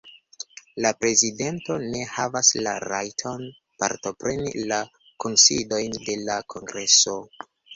La prezidento ne havas la rajton partopreni la kunsidojn de la kongreso.